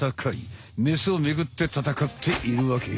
メスをめぐって戦っているわけよ。